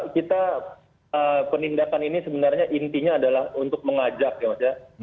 kita penindakan ini sebenarnya intinya adalah untuk mengajak ya mas ya